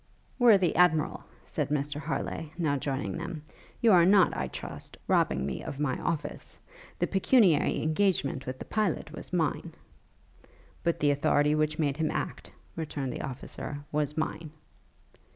'Worthy Admiral,' said Mr Harleigh, now joining them, 'you are not, I trust, robbing me of my office? The pecuniary engagement with the pilot was mine.' 'But the authority which made him act,' returned the officer, 'was mine.'